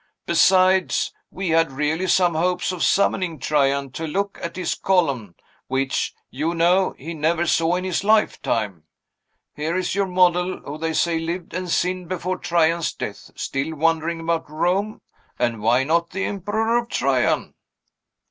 "Besides, we had really some hopes of summoning Trajan to look at his column, which, you know, he never saw in his lifetime. Here is your model (who, they say, lived and sinned before Trajan's death) still wandering about Rome; and why not the Emperor Trajan?"